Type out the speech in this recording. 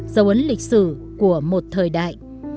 dấu ấn lịch sử của một thời đại